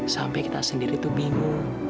sampai kita sendiri itu bingung